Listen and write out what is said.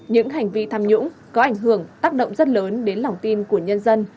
những hành vi tham nhũng có ảnh hưởng tác động rất lớn đến lòng tin của nhân dân